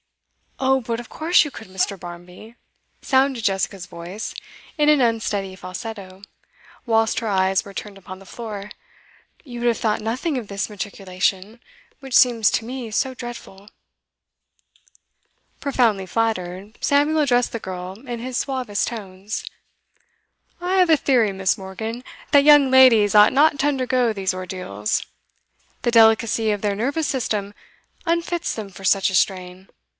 'Oh but of course you could, Mr. Barmby,' sounded Jessica's voice, in an unsteady falsetto, whilst her eyes were turned upon the floor. 'You would have thought nothing of this matriculation, which seems to me so dreadful.' Profoundly flattered, Samuel addressed the girl in his suavest tones. 'I have a theory, Miss. Morgan, that young ladies ought not to undergo these ordeals. The delicacy of their nervous system unfits them for such a strain.